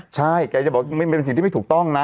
ใช่แกจะบอกเป็นสิ่งที่ไม่ถูกต้องนะ